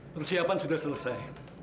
persiapan sudah selesai